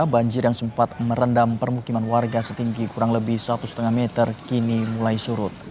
banjir yang sempat merendam permukiman warga setinggi kurang lebih satu lima meter kini mulai surut